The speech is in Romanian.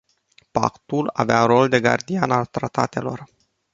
Pactul avea rolul de gardian al tratatelor.